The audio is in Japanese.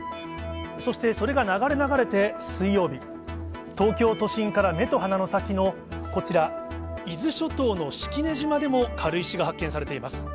そしてそれが流れ流れて水曜日、東京都心から目と鼻の先のこちら、伊豆諸島の式根島でも軽石が発見されています。